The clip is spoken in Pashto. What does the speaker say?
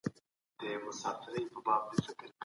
د احمد شاه بابا پاچاهي څنګه پیل سوه؟